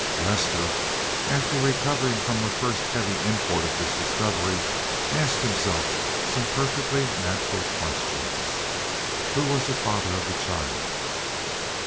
Lester, after recovering from the first heavy import of this discovery, asked himself some perfectly natural questions. "Who was the father of the child?